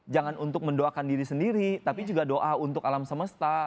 jangan untuk mendoakan diri sendiri tapi juga doa untuk alam semesta